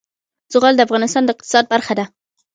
زغال د افغانستان د اقتصاد برخه ده.